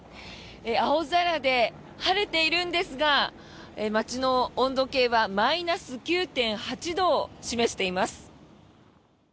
青空で晴れているんですが街の温度計はマイナス９．８度を示しています。